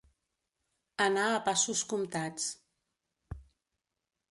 Anar a passos comptats.